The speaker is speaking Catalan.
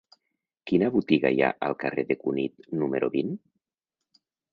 Quina botiga hi ha al carrer de Cunit número vint?